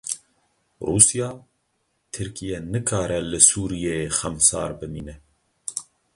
Rûsya, Tirkiye nikare li Sûriyeyê xemsar bimîne.